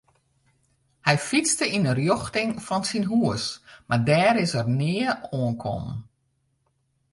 Hy fytste yn 'e rjochting fan syn hús mar dêr is er nea oankommen.